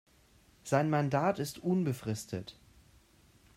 Sein Mandat ist unbefristet.